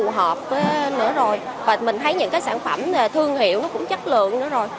mình thấy nó cũng phù hợp nữa rồi và mình thấy những cái sản phẩm thương hiệu nó cũng chất lượng nữa rồi